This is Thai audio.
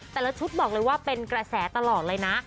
แต่ละชุดบอกเลยว่าเป็นกระแสตลอดเลยนะ